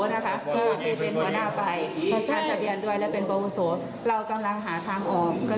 เพราะตอนนี้มีคนอยากเป็นศาลชาทไทยต้องทำให้